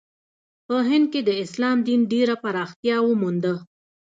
په هند کې د اسلام دین ډېره پراختیا ومونده.